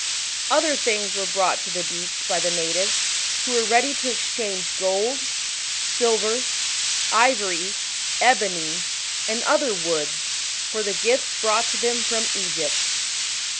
Other things were brought to the beach by the natives, who were ready to exchange gold, silver, ivory, ebony, and other woods for the gifts brought to them from Egypt.